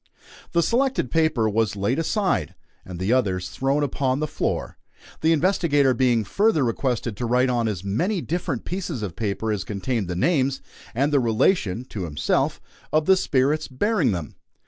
The selected paper was laid aside, and the others thrown upon the floor, the investigator being further requested to write on as many different pieces of paper as contained the names, and the relation (to himself) of the spirits bearing them.